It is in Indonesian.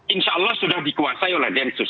insya allah sudah dikuasai oleh densus